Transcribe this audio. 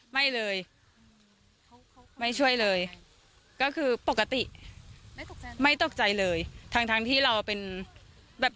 ไม่เลยเขาไม่ช่วยเลยก็คือปกติไม่ตกใจไม่ตกใจเลยทั้งทั้งที่เราเป็นแบบ